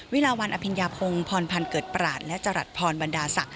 วิลาวันอภิญภงพรพรรณเกิดประหลาดและจรัดพรรณบันดาสะ